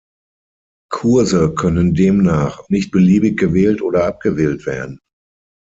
Kurse können demnach nicht beliebig gewählt oder abgewählt werden.